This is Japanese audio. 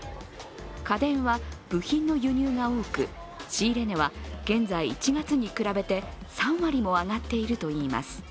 家電は部品の輸入が多く仕入れ値は現在、１月に比べて３割も上がっているといいます。